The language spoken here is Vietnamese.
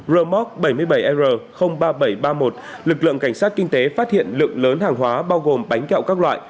rơ móc bảy mươi bảy r ba nghìn bảy trăm ba mươi một lực lượng cảnh sát kinh tế phát hiện lượng lớn hàng hóa bao gồm bánh kẹo các loại